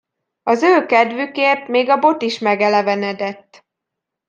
Az ő kedvükért még a bot is megelevenedett.